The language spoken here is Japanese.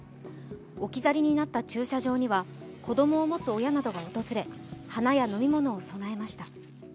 置き去りになった駐車場には、子供を持つ親などが訪れ、花や飲み物を供えました。